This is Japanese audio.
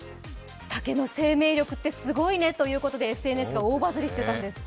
竹の生命力ってすごいねということでＳＮＳが大バズりしたんです。